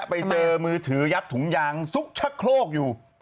ไปเจอมือถือยัดถุงยางซุกชะโครกอยู่